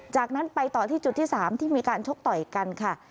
จากนั้นไปต่อที่จุดที่๓ที่มีการชกต่อยกันค่ะ